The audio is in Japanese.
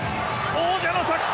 王者の着地！